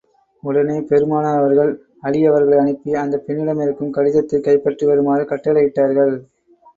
உடனே பெருமானார் அவர்கள், அலி அவர்களை அனுப்பி, அந்தப் பெண்ணிடமிருக்கும் கடிதத்தைக் கைப்பற்றி வருமாறு கட்டளையிட்டார்கள்.